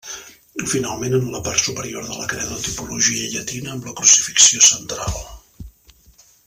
Finalment en la part superior de la creu de tipologia llatina amb la crucifixió central.